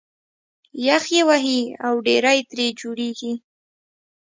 یخ یې وهي او ډېرۍ ترې جوړېږي